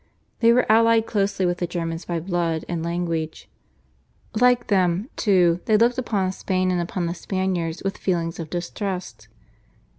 They were allied closely with the Germans by blood and language. Like them, too, they looked upon Spain and upon the Spaniards with feelings of distrust.